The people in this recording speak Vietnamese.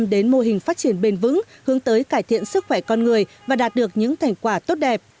đã bắt đầu quan tâm đến mô hình phát triển bền vững hướng tới cải thiện sức khỏe con người và đạt được những thành quả tốt đẹp